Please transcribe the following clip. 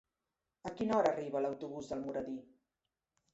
A quina hora arriba l'autobús d'Almoradí?